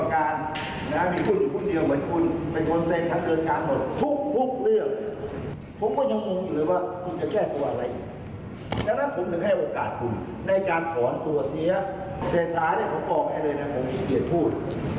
ในการถอนตัวเสียเศรษฐาเนี่ยผมบอกให้เลยนะผมมีเกียจพูด